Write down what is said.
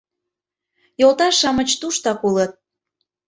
Йолташ-шамыч туштак улыт...